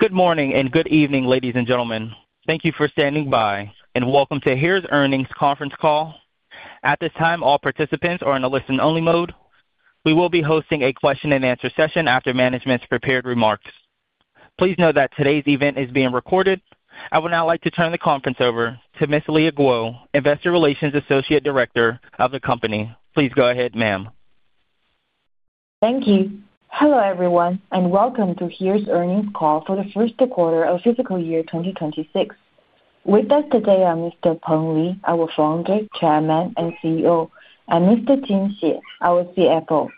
Good morning and good evening, ladies and gentlemen. Thank you for standing by and welcome to Heres Earnings conference call. At this time, all participants are in a listen-only mode. We will be hosting a question-and-answer session after management's prepared remarks. Please note that today's event is being recorded. I would now like to turn the conference over to Ms. Leah Guo, Investor Relations Associate Director of the company. Please go ahead, ma'am. Thank you. Hello, everyone, and welcome to Heres Earnings call for the first quarter of fiscal year 2026. With us today are Mr. Peng Li, our Founder, Chairman, and CEO, and Mr. Jin Xie, our CFO.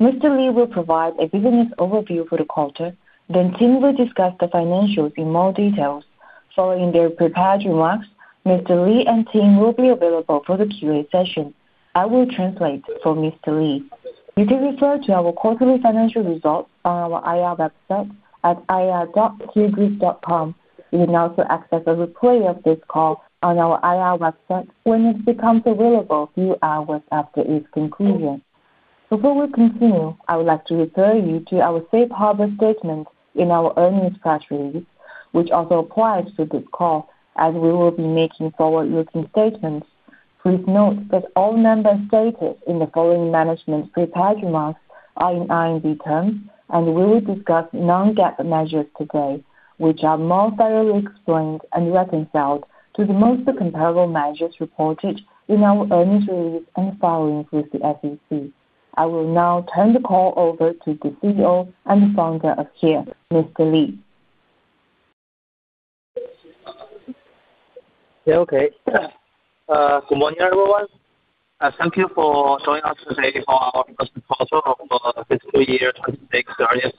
Mr. Li will provide a business overview for the quarter. Tim will discuss the financials in more detail. Following their prepared remarks, Mr. Li and Tim will be available for the Q&A session. I will translate for Mr. Li. You can refer to our quarterly financial results on our IR website at ir.heresgroup.com. You can also access a replay of this call on our IR website when it becomes available a few hours after its conclusion. Before we continue, I would like to refer you to our safe harbor statement in our earnings press release, which also applies to this call, as we will be making forward-looking statements. Please note that all members' statements in the following management prepared remarks are in IND terms, and we will discuss non-GAAP measures today, which are more thoroughly explained and reconciled to the most comparable measures reported in our earnings release and the following with the SEC. I will now turn the call over to the CEO and the founder of Heres, Mr. Li. Okay. Good morning, everyone. Thank you for joining us today for our first quarter of fiscal year 2026 earnings.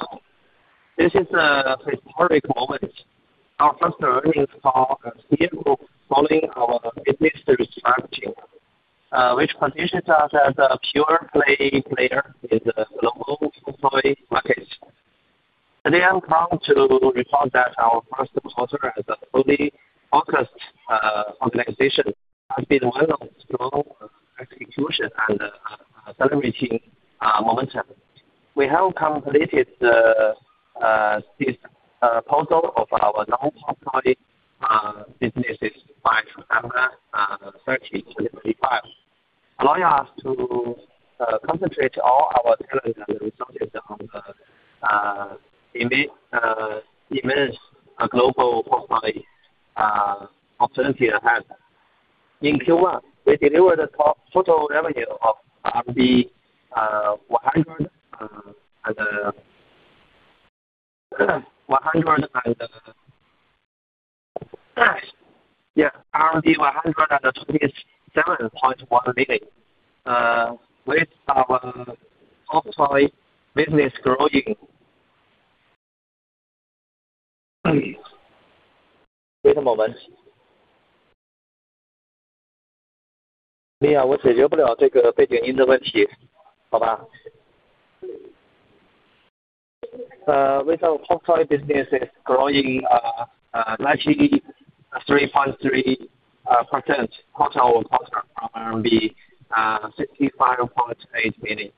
This is a historic moment. Our first earnings call is here following our business strategy, which positions us as a pure-play player in the global employee market. Today, I'm proud to report that our first quarter as a fully focused organization has been well-executed and accelerating momentum. We have completed the proposal of our non-employee businesses by September 30, 2025, allowing us to concentrate all our talent and resources on the immense global employee opportunity ahead. In Q1, we delivered a total revenue of CNY 100 and yeah, CNY 127.1 million, with our employee business growing. Wait a moment. 你要我解决不了这个背景音的问题，好吧。With our employee businesses growing 93.3% quarter over quarter from RMB 65.8 million,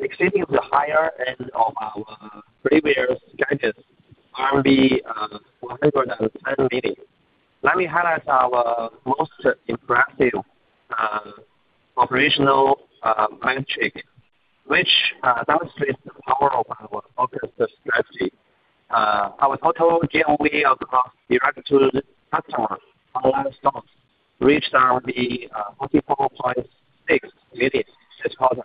exceeding the higher end of our previous guidance, RMB 110 million. Let me highlight our most impressive operational metric, which demonstrates the power of our focused strategy. Our total DTC across direct-to-customer online stores reached CNY 44.6 million this quarter.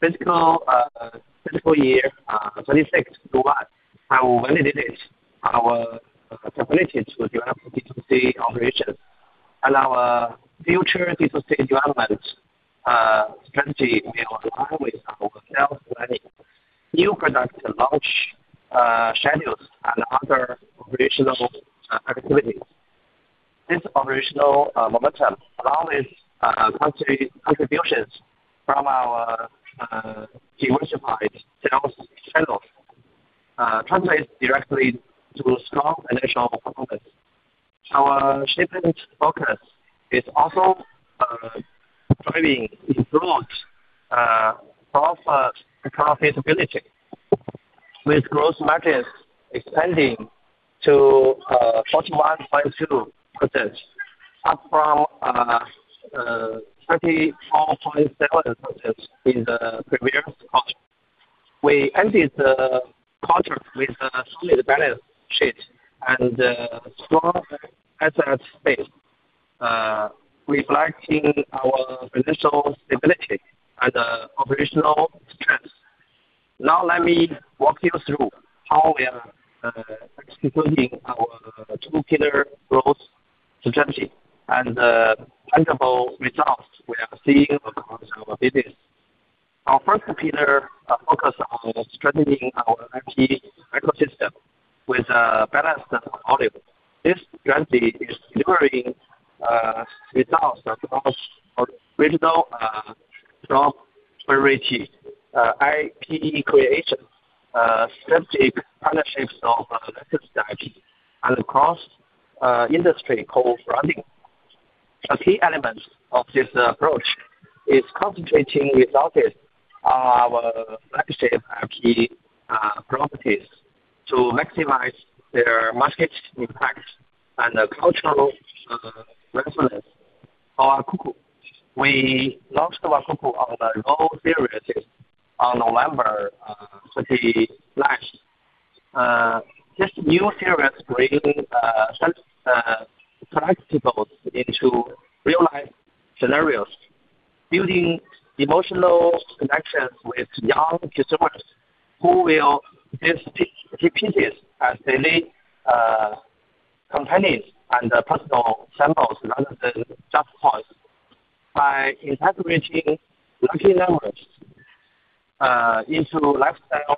Fiscal year 2026 Q1, I will validate our capability to develop B2C operations, and our future B2C development strategy will align with our sales planning, new product launch schedules, and other operational activities. This operational momentum, along with contributions from our diversified sales channels, translates directly to strong financial performance. Our shipment focus is also driving growth for profitability, with gross margins expanding to 41.2%, up from 34.7% in the previous quarter. We ended the quarter with a solid balance sheet and a strong asset space, reflecting our financial stability and operational strength. Now, let me walk you through how we are executing our two-pillar growth strategy and tangible results we are seeing across our business. Our first pillar focuses on strengthening our IP ecosystem with a balanced volume. This strategy is delivering results across original software IP creation, strategic partnerships of licensed IP, and across industry co-funding. A key element of this approach is concentrating resources on our flagship IP properties to maximize their market impact and cultural resonance. Our KUKU. We launched our KUKU on the GO series on November 29. This new series brings collectibles into real-life scenarios, building emotional connections with young consumers who will see pieces as daily companions and personal symbols rather than just toys. By integrating lucky numbers into lifestyle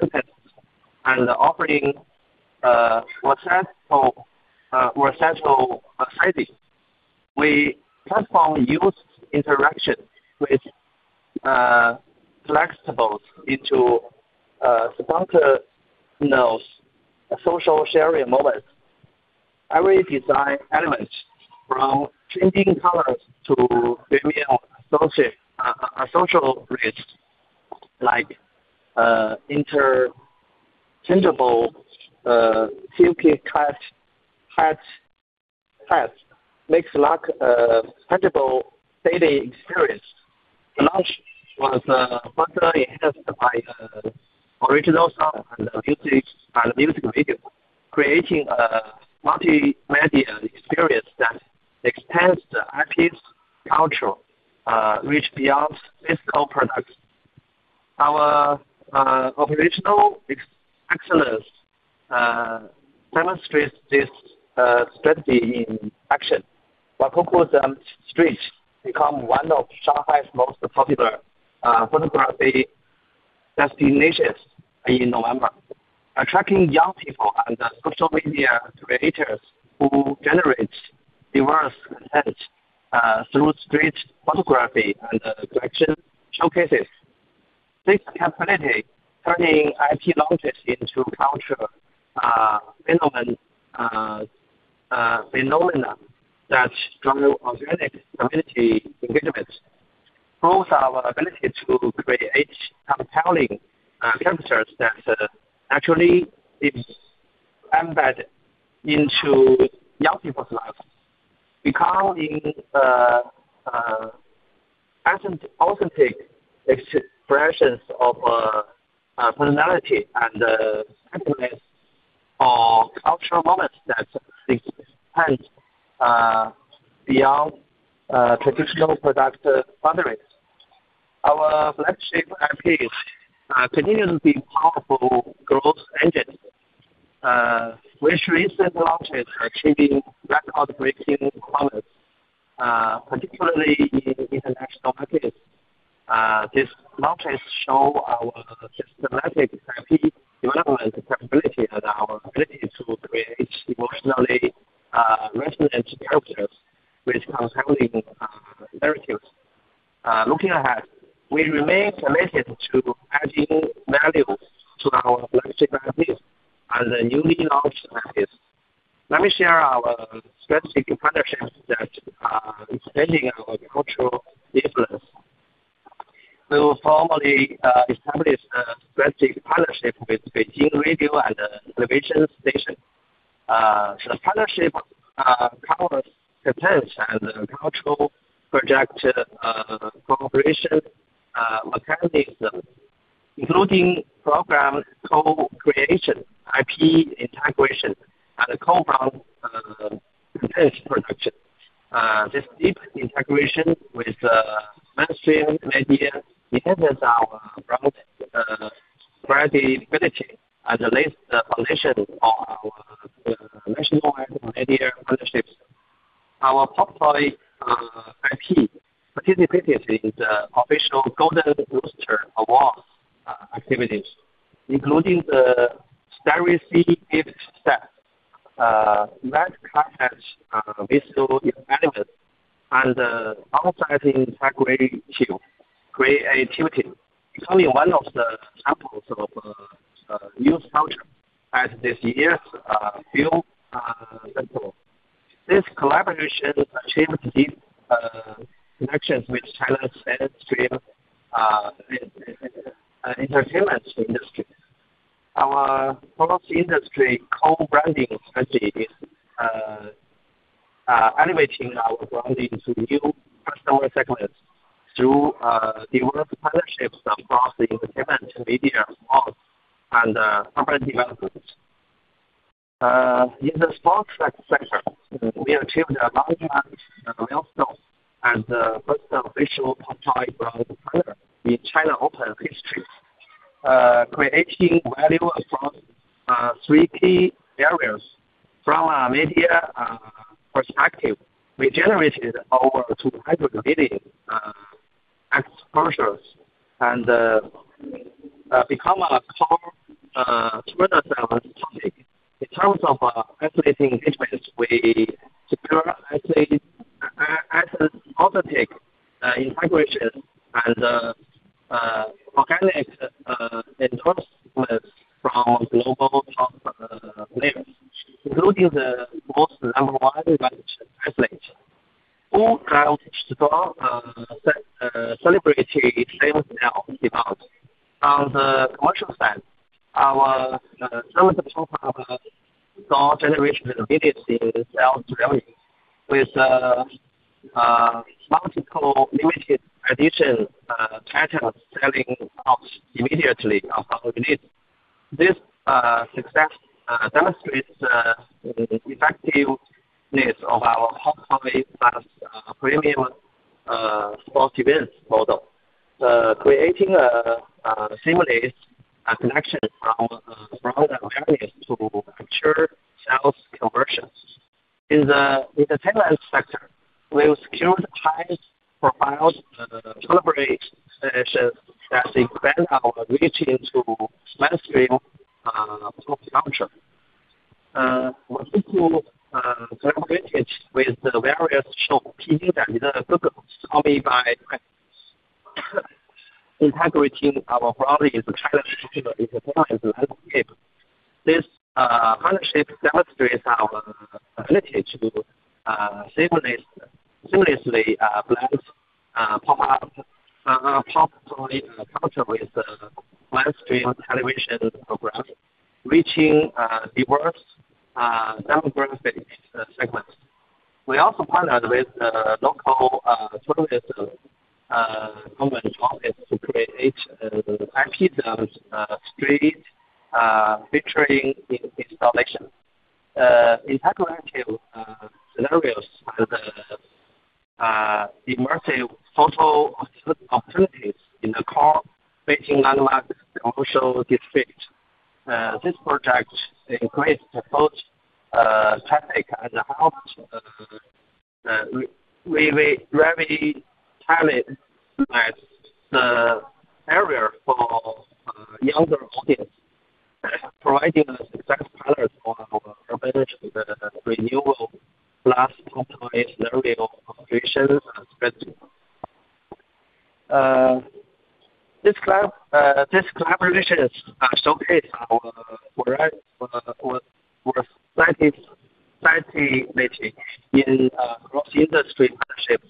sentences and offering essential savings, we transform used interactions with collectibles into social sharing moments. Every design element, from trending colors to female social risk, like interchangeable silky cut hats, makes luck tangible daily experience. The launch was further enhanced by original song and music video, creating a multimedia experience that extends the IP's culture, reaching beyond physical products. Our operational excellence demonstrates this strategy in action. Our KUKU's streets become one of Shanghai's most popular photography destinations in November, attracting young people and social media creators who generate diverse content through street photography and collection showcases. This capability turns IP launches into cultural phenomena that drive organic community engagement. Proves our ability to create compelling characters that naturally embed into young people's lives, becoming authentic expressions of personality and sentiments, or cultural moments that extend beyond traditional product boundaries. Our flagship IPs continue to be powerful growth engines, which recently launched, achieving record-breaking performance, particularly in international markets. These launches show our systematic IP development capability and our ability to create emotionally resonant characters with compelling narratives. Looking ahead, we remain committed to adding value to our flagship IPs and the newly launched IPs. Let me share our strategic partnerships that are expanding our cultural influence. We will formally establish a strategic partnership with Beijing Radio and Television Station. The partnership covers content and cultural project cooperation mechanisms, including program co-creation, IP integration, and co-brand content production. This deep integration with mainstream media enhances our brand credibility and lays the foundation for our national and media partnerships. Our POPTOY IP participated in the official Golden Rooster Awards activities, including the Starry Sea Gift Set, red carpet visual elements, and the Outside Integrity Creativity, becoming one of the examples of new culture at this year's film festival. This collaboration achieved deep connections with China's mainstream entertainment industry. Our cross-industry co-branding strategy is elevating our branding to new customer segments through diverse partnerships across the entertainment media spots and company development. In the sports sector, we achieved a large amount of milestones as the first official POPTOY brand partner in China Open history, creating value across three key areas. From a media perspective, we generated over 200 million exposures and became a core tourism topic. In terms of athletic engagements, we secured athletic integration and organic endorsements from global top players, including the most number-one ranked athlete, who helped strong celebrity sales now develop. On the commercial side, our semi-performable store generation unit is self-driving, with multiple limited-edition items selling out immediately upon release. This success demonstrates the effectiveness of our POPTOY Plus premium sports events model, creating a seamless connection from the brand awareness to mature sales conversions. In the entertainment sector, we've secured high-profile celebrity exhibitions that expand our reach into mainstream pop culture. We've also collaborated with various show PDs and Google's Tommy by Quest, integrating our brand into the Chinese popular entertainment landscape. This partnership demonstrates our ability to seamlessly blend pop-up culture with mainstream television programs, reaching diverse demographic segments. We also partnered with the local tourism government office to create IPs and street featuring installations. Integrative scenarios and immersive photo opportunities in the core Beijing landmark commercial district. This project increased both traffic and helped really heavily challenge the barrier for younger audiences, providing a successful pilot for our urban renewal plus POPTOY scenario operation strategy. These collaborations showcase our strategic in cross-industry partnerships,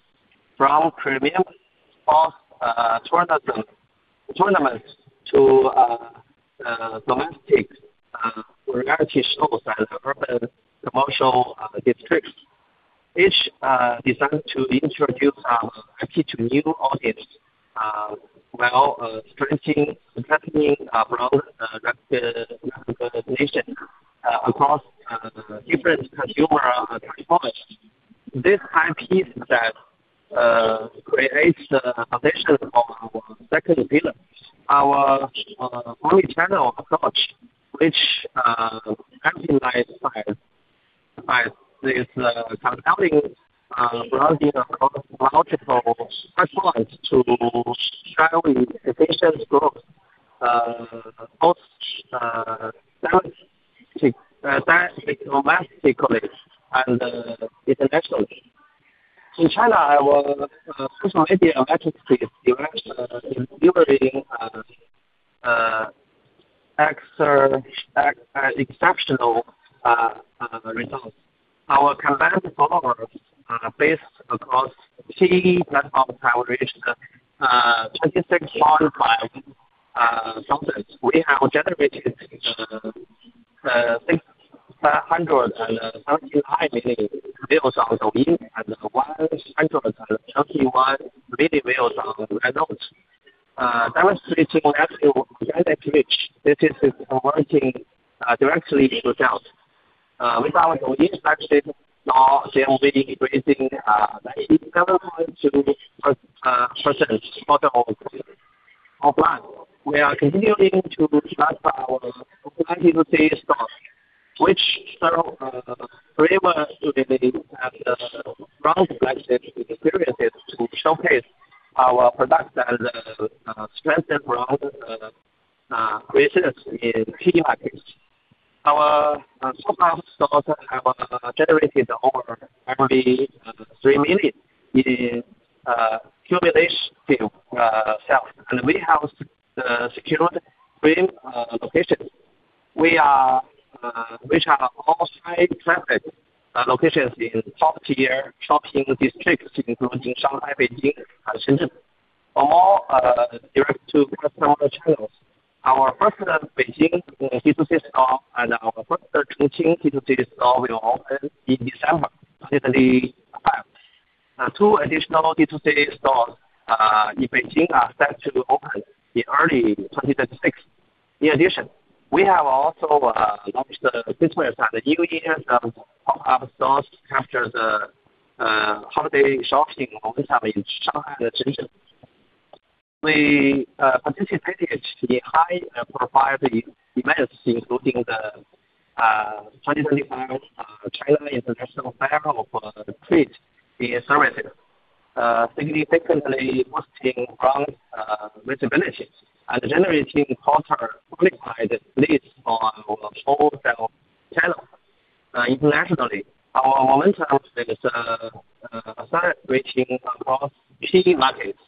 from premium sports tournaments to domestic reality shows and urban commercial districts, each designed to introduce our IP to new audiences while strengthening brand recognition across different consumer platforms. This IP set creates the foundation for our second pillar, our multi-channel approach, which can be lifesized by this compelling branding approach. Logical pipelines to drive efficient growth, both statically and internationally. In China, our social media matrix is delivering exceptional results. Our campaign followers are based across key platforms averaged 26,500. We have generated 675 million views on Douyin and 121 million views on Xiaohongshu, demonstrating actual traffic reach. This is converting directly to sales. With our Douyin flagship store, we're increasing 97.2% total visits offline. We are continuing to develop our POPTOY stock, which serves flavor units and brand blend experiences to showcase our products and strengthen brand presence in key markets. Our software stores have generated over 3 million in cumulative sales, and we have secured three locations. We have offsite traffic locations in top-tier shopping districts, including Shanghai, Beijing, and Shenzhen. For more direct-to-customer channels, our first Beijing D2C store and our first Chongqing D2C store will open in December 2025. Two additional D2C stores in Beijing are set to open in early 2026. In addition, we have also launched the sequence and New Year's pop-up stores to capture the holiday shopping momentum in Shanghai and Shenzhen. We participated in high-profile events, including the 2025 China International Fair of Street in Zhengyue, significantly boosting brand visibility and generating quarter-qualified leads for our wholesale channel. Internationally, our momentum is accelerating across key markets.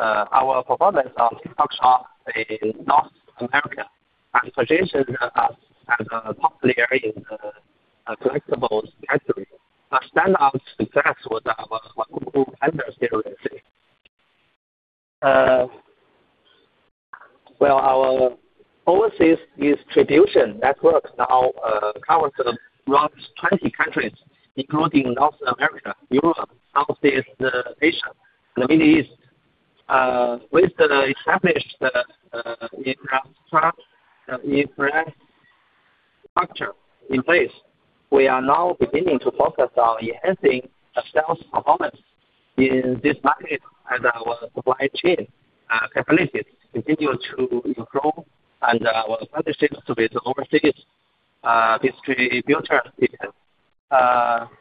Our performance on TikTok Shop in North America has positioned us as popular in the collectibles category. A standout success was our KUKU vendor series. Our overseas distribution network now covers around 20 countries, including North America, Europe, Southeast Asia, and the Middle East. With the established infrastructure in place, we are now beginning to focus on enhancing sales performance in this market as our supply chain capabilities continue to improve and our partnerships with overseas distributors.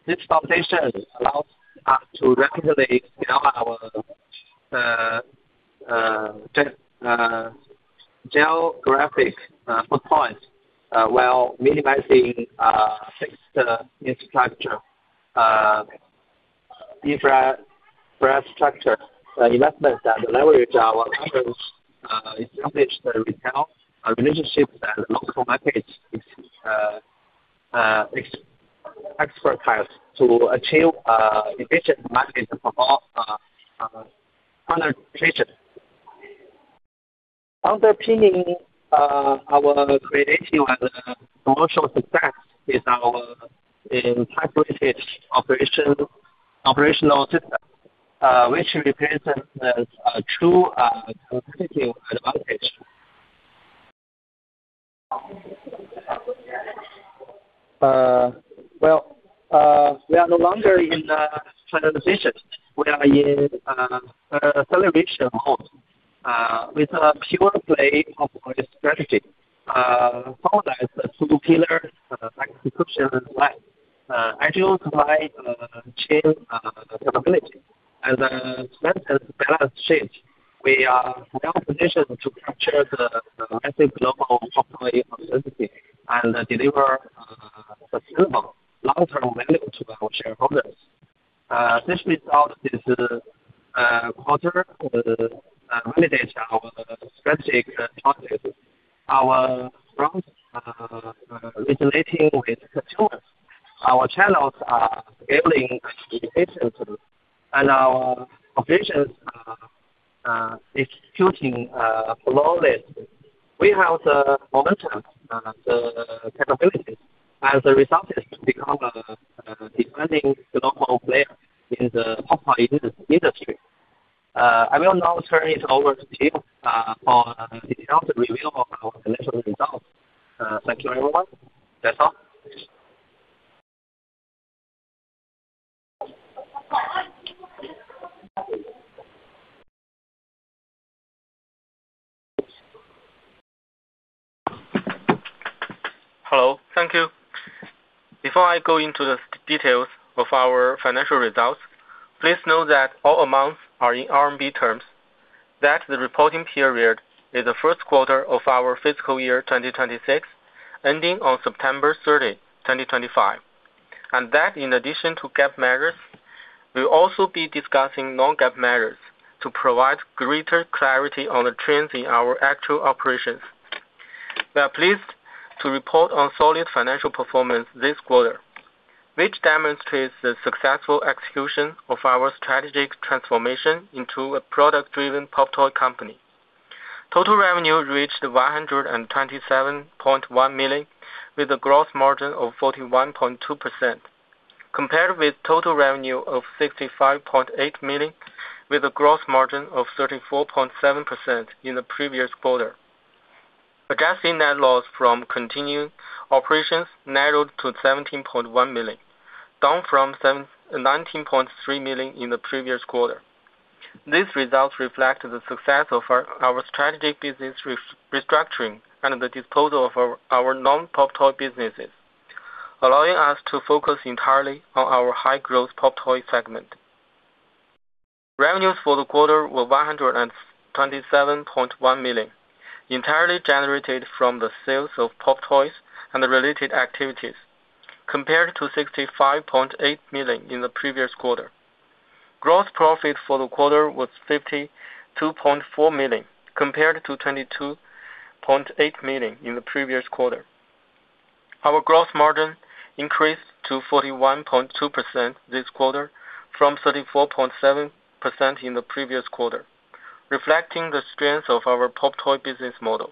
This foundation allows us to rapidly scale our geographic footprint while minimizing fixed infrastructure investments and leverage our established retail relationships and local markets' expertise to achieve efficient market performance under control. Underpinning our creative and commercial success is our in-time operational system, which represents a true competitive advantage. We are no longer in transition. We are in acceleration mode with a pure play of our strategy, followed by the two pillars: acquisition and supply, agile supply chain capability, and a strengthened balance sheet. We are now positioned to capture the massive global POPTOY competency and deliver sustainable long-term value to our shareholders. This result is quarter-validated our strategic targets, our brand resonating with consumers, our channels scaling efficiently, and our operations executing flawlessly. We have the momentum, the capabilities, and the resources to become a defining global player in the POPTOY industry. I will now turn it over to Tim for a detailed review of our financial results. Thank you, everyone. That's all. Hello. Thank you. Before I go into the details of our financial results, please know that all amounts are in CNY terms, that the reporting period is the first quarter of our fiscal year 2026, ending on September 30, 2025, and that in addition to GAAP measures, we will also be discussing non-GAAP measures to provide greater clarity on the trends in our actual operations. We are pleased to report on solid financial performance this quarter, which demonstrates the successful execution of our strategic transformation into a product-driven POPTOY company. Total revenue reached 127.1 million, with a gross margin of 41.2%, compared with total revenue of 65.8 million, with a gross margin of 34.7% in the previous quarter. Adjusting net loss from continued operations narrowed to 17.1 million, down from 19.3 million in the previous quarter. These results reflect the success of our strategic business restructuring and the disposal of our non-POPTOY businesses, allowing us to focus entirely on our high-growth POPTOY segment. Revenues for the quarter were 127.1 million, entirely generated from the sales of POPTOYs and related activities, compared to 65.8 million in the previous quarter. Gross profit for the quarter was 52.4 million, compared to 22.8 million in the previous quarter. Our gross margin increased to 41.2% this quarter from 34.7% in the previous quarter, reflecting the strength of our POPTOY business model.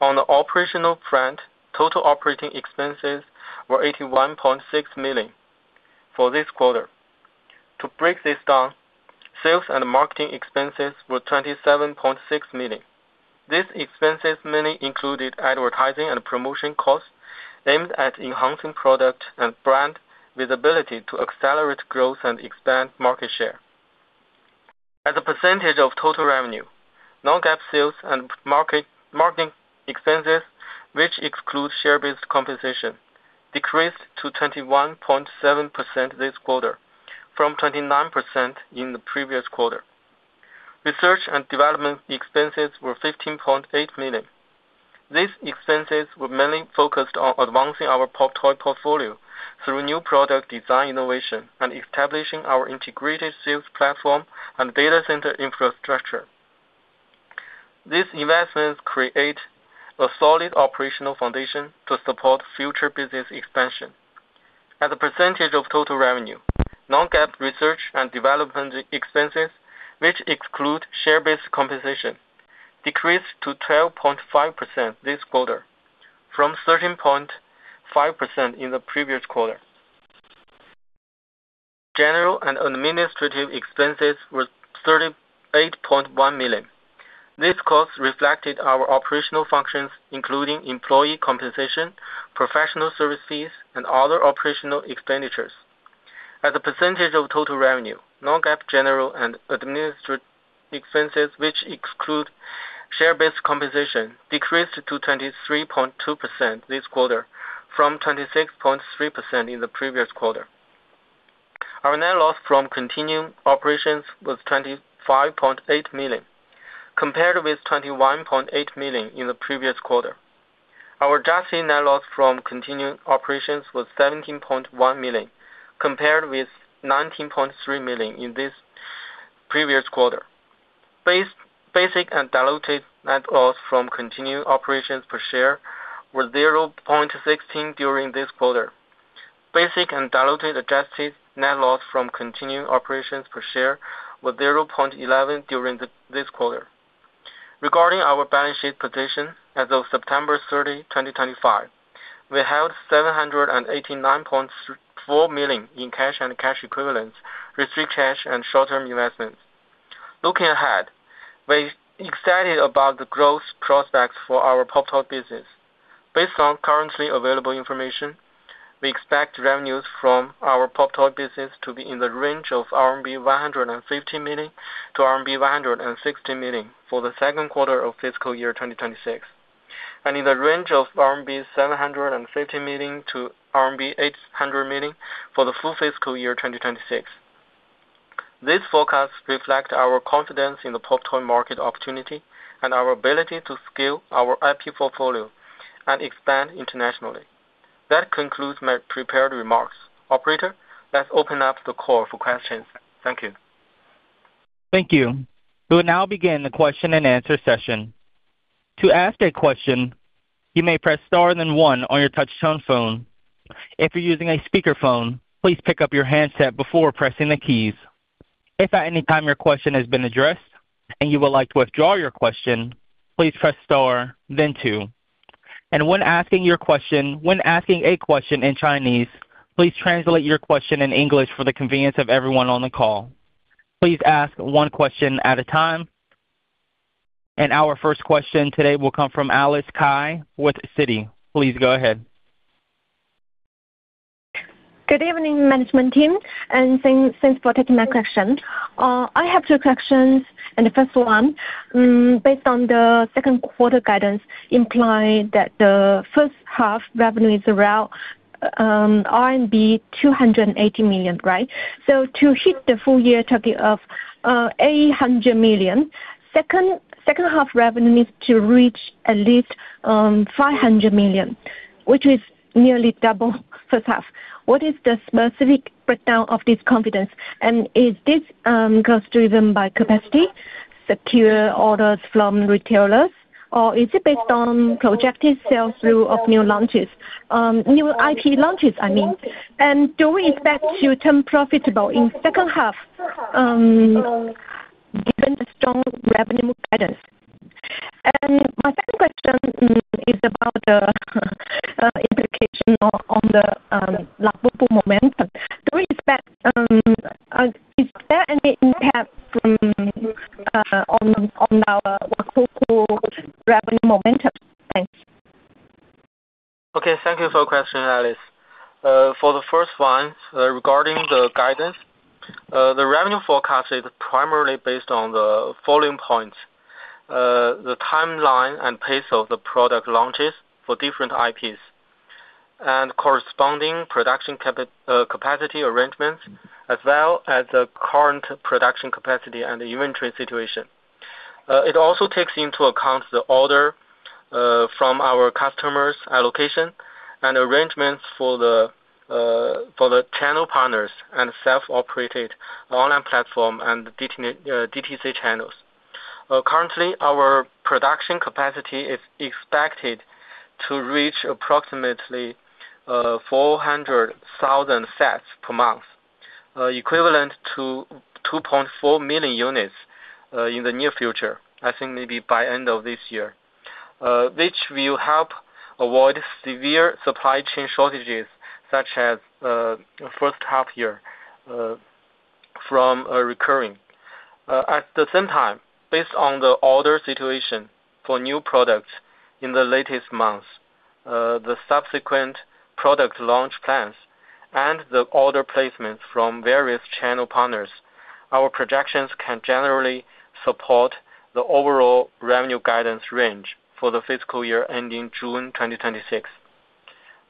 On the operational front, total operating expenses were 81.6 million for this quarter. To break this down, sales and marketing expenses were 27.6 million. These expenses mainly included advertising and promotion costs aimed at enhancing product and brand visibility to accelerate growth and expand market share. As a percentage of total revenue, non-GAAP sales and marketing expenses, which exclude share-based compensation, decreased to 21.7% this quarter, from 29% in the previous quarter. Research and development expenses were 15.8 million. These expenses were mainly focused on advancing our POPTOY portfolio through new product design innovation and establishing our integrated sales platform and data center infrastructure. These investments create a solid operational foundation to support future business expansion. As a percentage of total revenue, non-GAAP research and development expenses, which exclude share-based compensation, decreased to 12.5% this quarter, from 13.5% in the previous quarter. General and administrative expenses were 38.1 million. These costs reflected our operational functions, including employee compensation, professional service fees, and other operational expenditures. As a percentage of total revenue, non-GAAP general and administrative expenses, which exclude share-based compensation, decreased to 23.2% this quarter, from 26.3% in the previous quarter. Our net loss from continuing operations was 25.8 million, compared with 21.8 million in the previous quarter. Our adjusted net loss from continuing operations was 17.1 million, compared with 19.3 million in the previous quarter. Basic and diluted net loss from continuing operations per share were 0.16 during this quarter. Basic and diluted adjusted net loss from continuing operations per share were 0.11 during this quarter. Regarding our balance sheet position as of September 30, 2025, we held 789.4 million in cash and cash equivalents, risk-free cash, and short-term investments. Looking ahead, we're excited about the growth prospects for our POPTOY business. Based on currently available information, we expect revenues from our POPTOY business to be in the range of 150 million-160 million RMB for the second quarter of fiscal year 2026, and in the range of 750 million-800 million RMB for the full fiscal year 2026. These forecasts reflect our confidence in the POPTOY market opportunity and our ability to scale our IP portfolio and expand internationally. That concludes my prepared remarks. Operator, let's open up the call for questions. Thank you. Thank you. We will now begin the question-and-answer session. To ask a question, you may press star then one on your touch-tone phone. If you're using a speakerphone, please pick up your handset before pressing the keys. If at any time your question has been addressed and you would like to withdraw your question, please press star, then two. When asking your question, when asking a question in Chinese, please translate your question in English for the convenience of everyone on the call. Please ask one question at a time. Our first question today will come from Alice Kai with Citi. Please go ahead. Good evening, Management Team. Thanks for taking my question. I have two questions. The first one, based on the second quarter guidance, implies that the first half revenue is around RMB 280 million, right? To hit the full year target of 800 million, second half revenue needs to reach at least 500 million, which is nearly double first half. What is the specific breakdown of this confidence? Is this cost driven by capacity, secure orders from retailers, or is it based on projected sales through new launches, new IP launches, I mean? Do we expect to turn profitable in the second half given the strong revenue guidance? My second question is about the implication on the Labubu momentum. Do we expect is there any impact on our Labubu revenue momentum? Thanks. Okay. Thank you for the question, Alice. For the first one, regarding the guidance, the revenue forecast is primarily based on the following points: the timeline and pace of the product launches for different IPs and corresponding production capacity arrangements, as well as the current production capacity and inventory situation. It also takes into account the order from our customers' allocation and arrangements for the channel partners and self-operated online platform and DTC channels. Currently, our production capacity is expected to reach approximately 400,000 sets per month, equivalent to 2.4 million units in the near future, I think maybe by end of this year, which will help avoid severe supply chain shortages such as the first half year from recurring. At the same time, based on the order situation for new products in the latest months, the subsequent product launch plans, and the order placements from various channel partners, our projections can generally support the overall revenue guidance range for the fiscal year ending June 2026.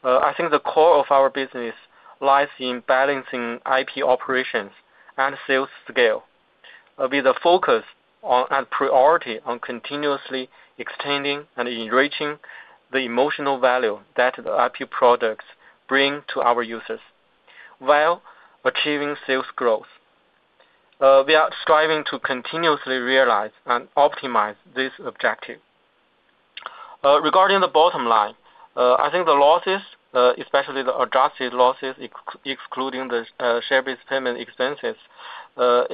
I think the core of our business lies in balancing IP operations and sales scale with a focus and priority on continuously extending and enriching the emotional value that the IP products bring to our users while achieving sales growth. We are striving to continuously realize and optimize this objective. Regarding the bottom line, I think the losses, especially the adjusted losses excluding the share-based payment expenses, are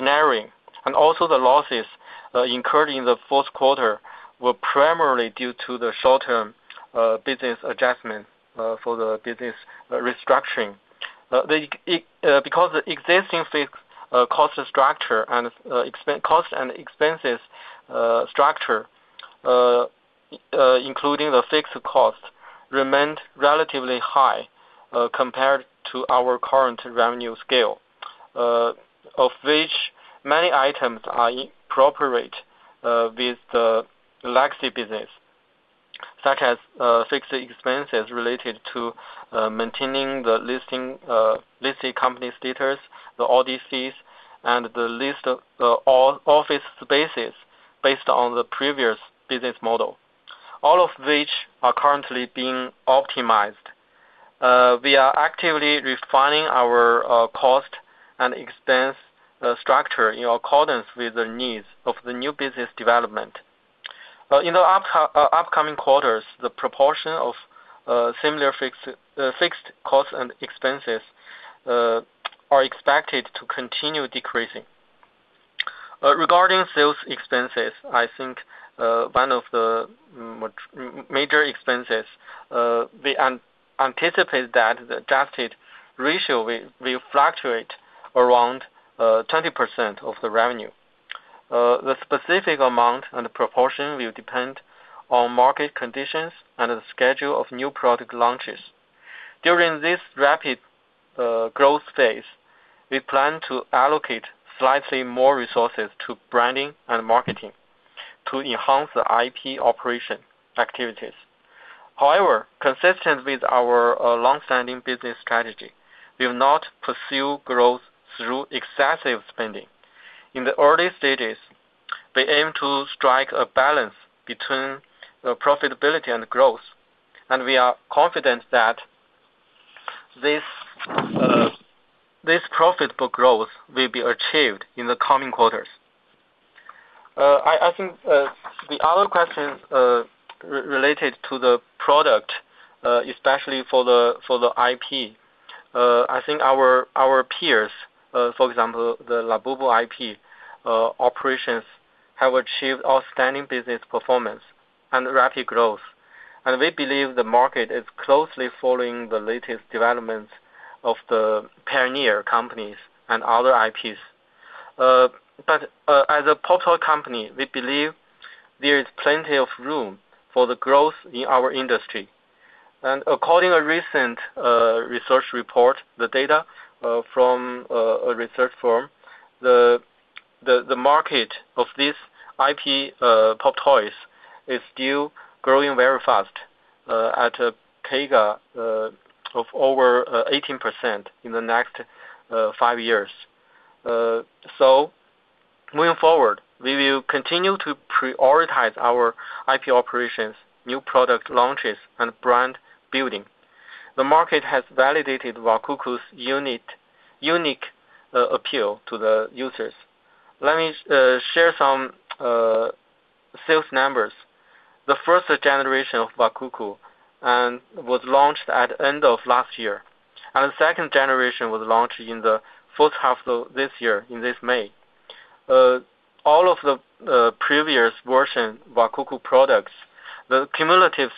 narrowing. Also, the losses incurred in the fourth quarter were primarily due to the short-term business adjustment for the business restructuring. Because the existing fixed cost structure and expenses structure, including the fixed cost, remained relatively high compared to our current revenue scale, of which many items are inappropriate with the legacy business, such as fixed expenses related to maintaining the listing company status, the ODCs, and the list office spaces based on the previous business model, all of which are currently being optimized. We are actively refining our cost and expense structure in accordance with the needs of the new business development. In the upcoming quarters, the proportion of similar fixed costs and expenses is expected to continue decreasing. Regarding sales expenses, I think one of the major expenses, we anticipate that the adjusted ratio will fluctuate around 20% of the revenue. The specific amount and proportion will depend on market conditions and the schedule of new product launches. During this rapid growth phase, we plan to allocate slightly more resources to branding and marketing to enhance the IP operation activities. However, consistent with our long-standing business strategy, we will not pursue growth through excessive spending. In the early stages, we aim to strike a balance between profitability and growth, and we are confident that this profitable growth will be achieved in the coming quarters. I think the other question related to the product, especially for the IP, I think our peers, for example, the Labubu IP operations, have achieved outstanding business performance and rapid growth. We believe the market is closely following the latest developments of the pioneer companies and other IPs. As a POPTOY company, we believe there is plenty of room for the growth in our industry. According to a recent research report, the data from a research firm, the market of these IP POPTOYs is still growing very fast at a CAGR of over 18% in the next five years. Moving forward, we will continue to prioritize our IP operations, new product launches, and brand building. The market has validated KUKU's unique appeal to the users. Let me share some sales numbers. The first generation of KUKU was launched at the end of last year, and the second generation was launched in the first half of this year in May. All of the previous version WAKUKU products, the cumulative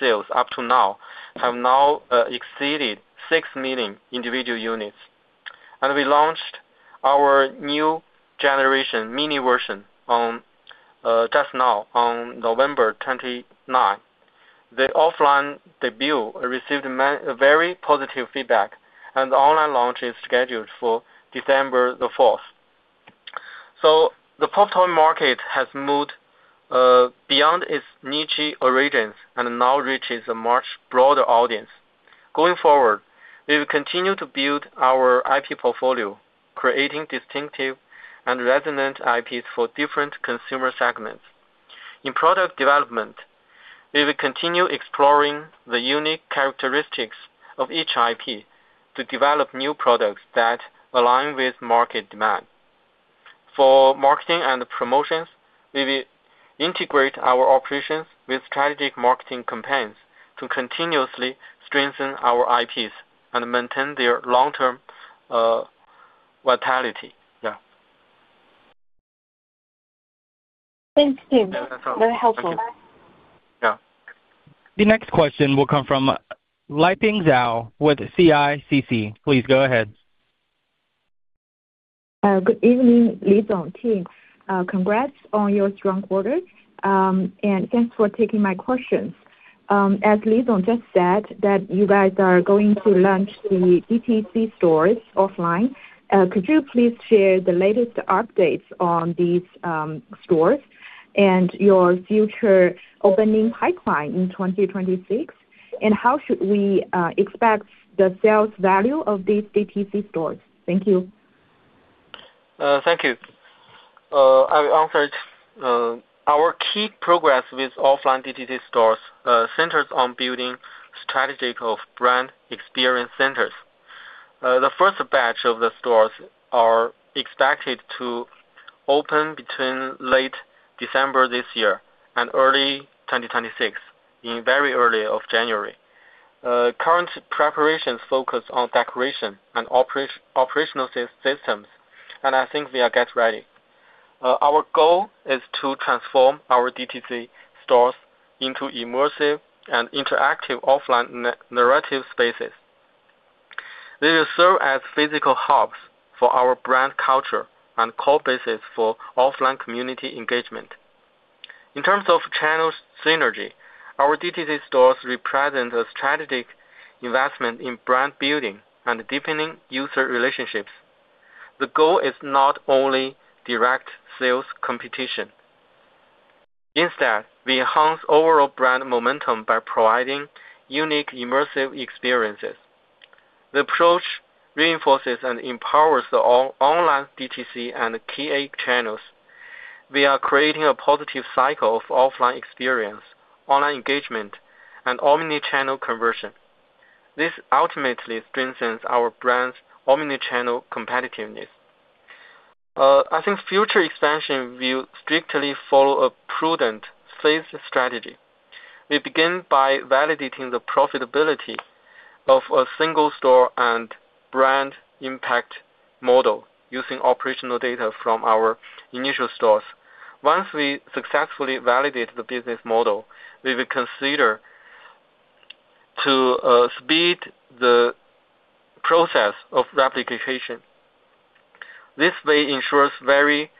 sales up to now have now exceeded 6 million individual units. We launched our new generation mini version just now on November 29. The offline debut received very positive feedback, and the online launch is scheduled for December 4. The POPTOY market has moved beyond its niche origins and now reaches a much broader audience. Going forward, we will continue to build our IP portfolio, creating distinctive and resonant IPs for different consumer segments. In product development, we will continue exploring the unique characteristics of each IP to develop new products that align with market demand. For marketing and promotions, we will integrate our operations with strategic marketing campaigns to continuously strengthen our IPs and maintain their long-term vitality. Yeah. Thank you. That's all. Very helpful. Yeah. The next question will come from Liping Zhao with CICC. Please go ahead. Good evening, Li Zhong, team. Congrats on your strong quarter, and thanks for taking my questions. As Li Zhong just said, you guys are going to launch the DTC stores offline. Could you please share the latest updates on these stores and your future opening pipeline in 2026? How should we expect the sales value of these DTC stores? Thank you. Thank you. I will answer it. Our key progress with offline DTC stores centers on building strategic brand experience centers. The first batch of the stores is expected to open between late December this year and early 2026, in very early January. Current preparations focus on decoration and operational systems, and I think we are getting ready. Our goal is to transform our DTC stores into immersive and interactive offline narrative spaces. They will serve as physical hubs for our brand culture and core basis for offline community engagement. In terms of channel synergy, our DTC stores represent a strategic investment in brand building and deepening user relationships. The goal is not only direct sales competition. Instead, we enhance overall brand momentum by providing unique immersive experiences. The approach reinforces and empowers the online DTC and KA channels. We are creating a positive cycle of offline experience, online engagement, and omnichannel conversion. This ultimately strengthens our brand's omnichannel competitiveness. I think future expansion will strictly follow a prudent phased strategy. We begin by validating the profitability of a single store and brand impact model using operational data from our initial stores. Once we successfully validate the business model, we will consider speeding the process of replication. This way ensures every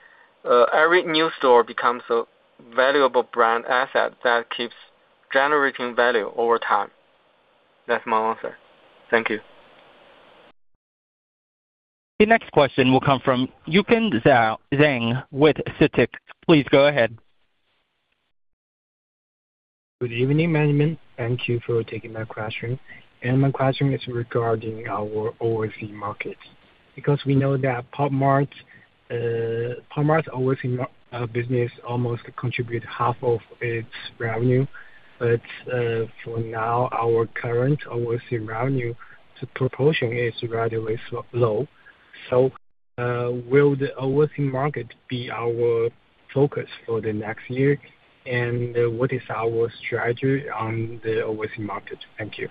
new store becomes a valuable brand asset that keeps generating value over time. That's my answer. Thank you. The next question will come from Yuken Zhang with CITIC. Please go ahead. Good evening, Management. Thank you for taking my question. My question is regarding our OFE market. We know that Pop Mart's OFE business almost contributes half of its revenue, but for now, our current OFE revenue proportion is relatively low. Will the OFE market be our focus for the next year? What is our strategy on the OFE market? Thank you.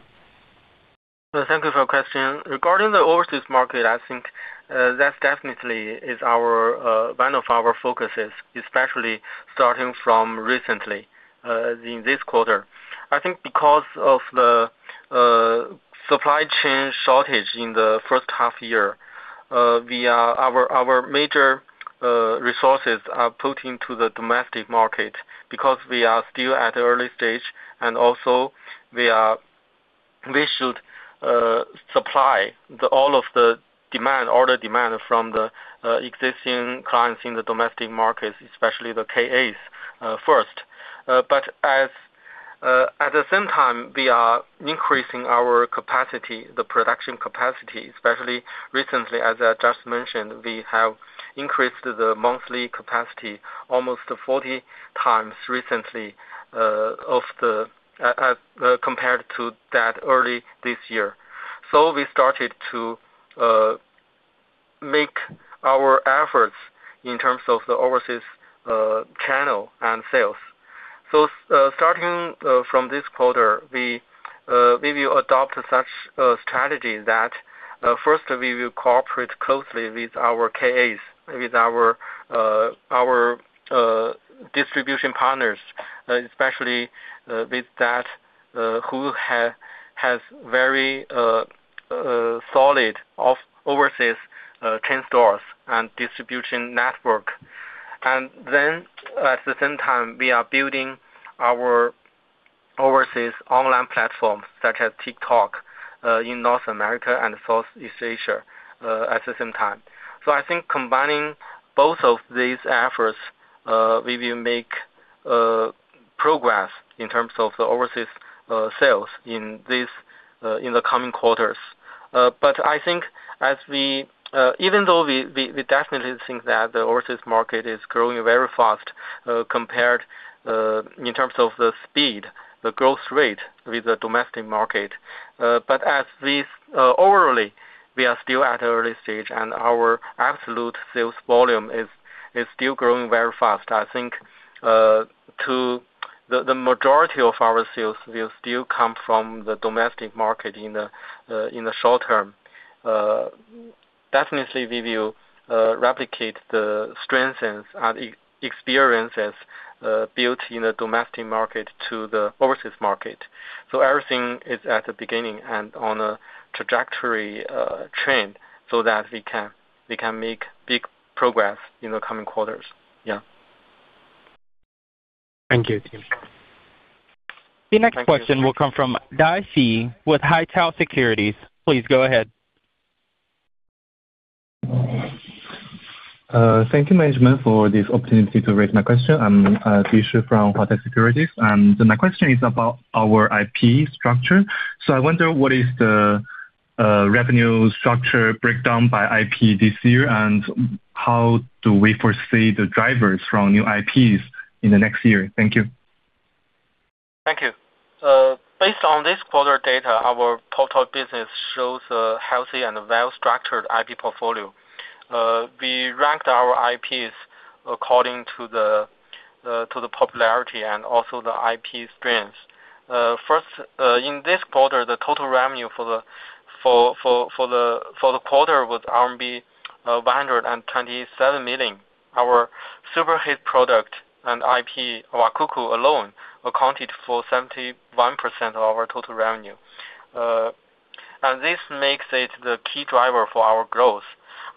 Thank you for the question. Regarding the OFE market, I think that definitely is one of our focuses, especially starting from recently in this quarter. I think because of the supply chain shortage in the first half year, our major resources are put into the domestic market because we are still at the early stage, and also we should supply all of the order demand from the existing clients in the domestic markets, especially the KAs first. At the same time, we are increasing our capacity, the production capacity, especially recently, as I just mentioned, we have increased the monthly capacity almost 40 times recently compared to that early this year. We started to make our efforts in terms of the OFE channel and sales. Starting from this quarter, we will adopt such a strategy that first we will cooperate closely with our KAs, with our distribution partners, especially with that who has very solid OFE chain stores and distribution network. At the same time, we are building our OFE online platforms such as TikTok in North America and Southeast Asia at the same time. I think combining both of these efforts, we will make progress in terms of the OFE sales in the coming quarters. Even though we definitely think that the OFE market is growing very fast compared in terms of the speed, the growth rate with the domestic market, as overall, we are still at the early stage and our absolute sales volume is still growing very fast. I think the majority of our sales will still come from the domestic market in the short term. Definitely, we will replicate the strengths and experiences built in the domestic market to the OFE market. Everything is at the beginning and on a trajectory trend so that we can make big progress in the coming quarters. Thank you. The next question will come from Dai Xi with Haitong Securities. Please go ahead. Thank you, Management, for this opportunity to raise my question. I'm Dai Xi from Haitong Securities. My question is about our IP structure. I wonder what is the revenue structure breakdown by IP this year and how do we foresee the drivers from new IPs in the next year? Thank you. Thank you. Based on this quarter data, our POPTOY business shows a healthy and well-structured IP portfolio. We ranked our IPs according to the popularity and also the IP strength. First, in this quarter, the total revenue for the quarter was RMB 127 million. Our superhit product and IP WAKUKU alone accounted for 71% of our total revenue. This makes it the key driver for our growth.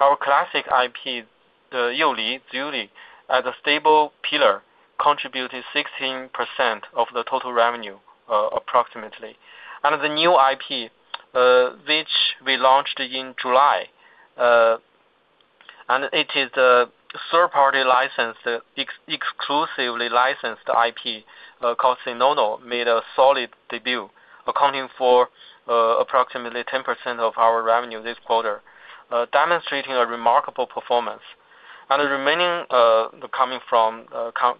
Our classic IP, the Youli Zuli, as a stable pillar, contributed 16% of the total revenue approximately. The new IP, which we launched in July, and it is a third-party licensed, exclusively licensed IP called Xenono, made a solid debut, accounting for approximately 10% of our revenue this quarter, demonstrating a remarkable performance. The remaining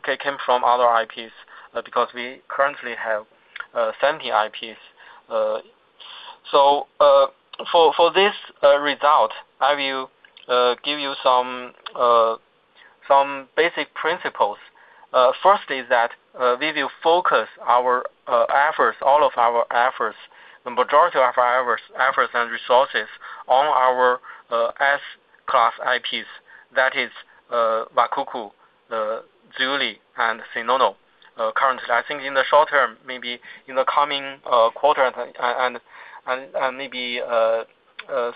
came from other IPs because we currently have 70 IPs. For this result, I will give you some basic principles. First is that we will focus all of our efforts, the majority of our efforts and resources on our S-class IPs, that is WAKUKU, Zuli, and Xenono. Currently, I think in the short term, maybe in the coming quarter and maybe around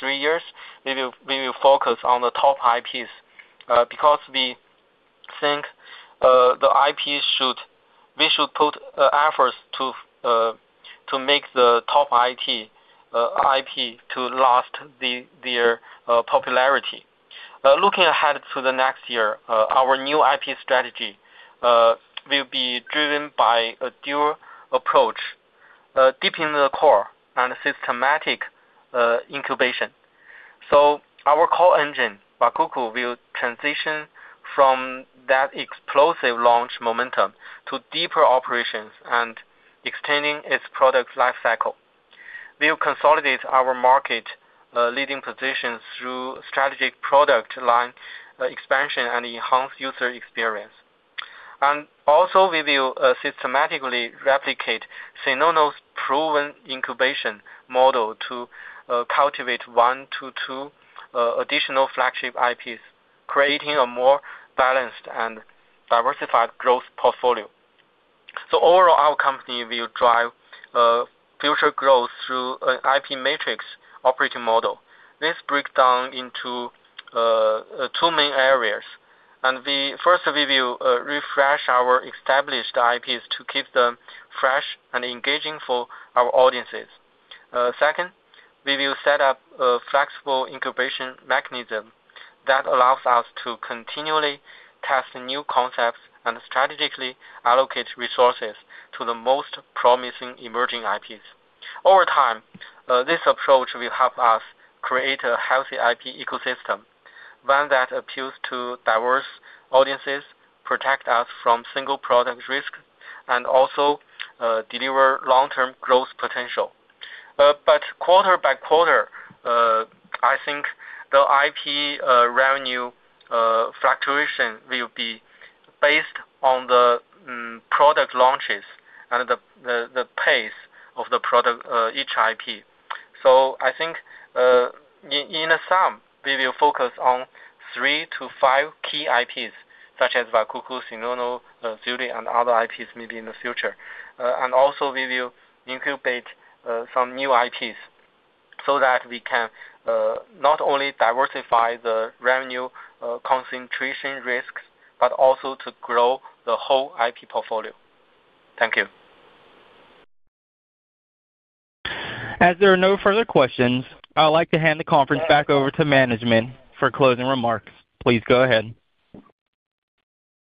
three years, we will focus on the top IPs because we think we should put efforts to make the top IP last their popularity. Looking ahead to the next year, our new IP strategy will be driven by a dual approach, deep in the core and systematic incubation. Our core engine, KUKU, will transition from that explosive launch momentum to deeper operations and extending its product lifecycle. We will consolidate our market leading position through strategic product line expansion and enhance user experience. We will systematically replicate Xenono's proven incubation model to cultivate one to two additional flagship IPs, creating a more balanced and diversified growth portfolio. Overall, our company will drive future growth through an IP matrix operating model. This breaks down into two main areas. First, we will refresh our established IPs to keep them fresh and engaging for our audiences. Second, we will set up a flexible incubation mechanism that allows us to continually test new concepts and strategically allocate resources to the most promising emerging IPs. Over time, this approach will help us create a healthy IP ecosystem, one that appeals to diverse audiences, protects us from single product risks, and also delivers long-term growth potential. Quarter by quarter, I think the IP revenue fluctuation will be based on the product launches and the pace of each IP. I think in sum, we will focus on three to five key IPs, such as KUKU, Xenono, Youli Zuli, and other IPs maybe in the future. We will incubate some new IPs so that we can not only diversify the revenue concentration risks, but also grow the whole IP portfolio. Thank you. As there are no further questions, I'd like to hand the conference back over to Management for closing remarks. Please go ahead.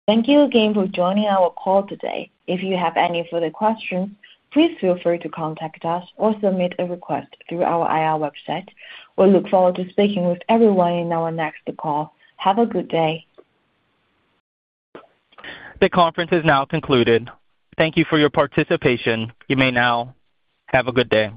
Thank you again for joining our call today. If you have any further questions, please feel free to contact us or submit a request through our IR website. We look forward to speaking with everyone in our next call. Have a good day. The conference is now concluded. Thank you for your participation. You may now have a good day.